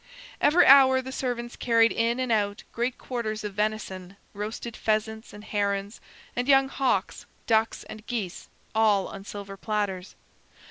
Every hour the servants carried in and out great quarters of venison, roasted pheasants and herons, and young hawks, ducks, and geese, all on silver platters.